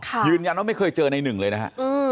ทั้งและรู่กันก็ไม่เคยเจอในหนึ่งเลยนะคะ